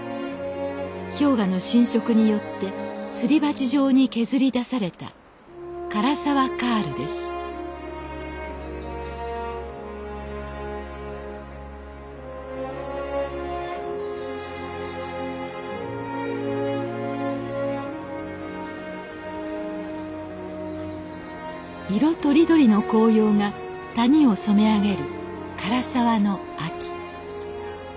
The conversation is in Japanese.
氷河の浸食によってすり鉢状に削り出された色取り取りの紅葉が谷を染め上げる涸沢の秋。